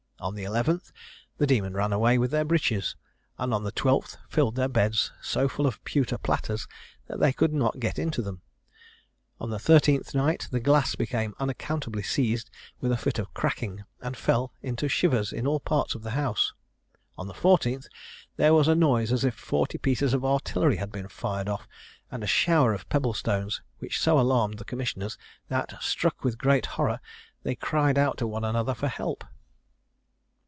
On the eleventh, the demon ran away with their breeches; and on the twelfth filled their beds so full of pewter platters that they could not get into them. On the thirteenth night, the glass became unaccountably seized with a fit of cracking, and fell into shivers in all parts of the house. On the fourteenth, there was a noise as if forty pieces of artillery had been fired off, and a shower of pebble stones, which so alarmed the commissioners, that, "struck with great horror, they cried out to one another for help."